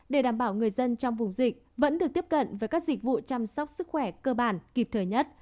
để đảm bảo người dân trong vùng dịch vẫn được tiếp cận với các dịch vụ chăm sóc sức khỏe cơ bản kịp thời nhất